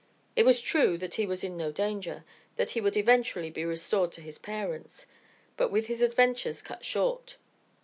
It was true that he was in no danger, that he would eventually be restored to his parents but with his adventures cut short.